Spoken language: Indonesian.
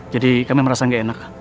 jadi kami merasa gak enak